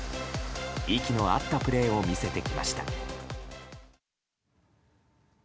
息の合ったプレーを見せてきました。